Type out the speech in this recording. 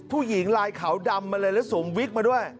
ผู้หญิงลายขาวดำมาเลยแล้วสวมวิกมาด้วย